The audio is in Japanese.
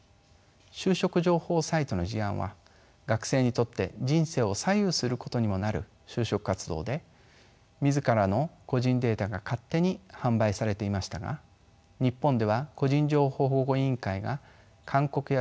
就職情報サイトの事案は学生にとって人生を左右することにもなる就職活動で自らの個人データが勝手に販売されていましたが日本では個人情報保護委員会が勧告や指導を発出したのみです。